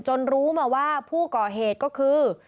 รู้มาว่าผู้ก่อเหตุก็คือ